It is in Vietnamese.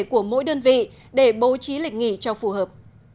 của mỗi đơn vị để bố trí lịch nghỉ cho phù hợp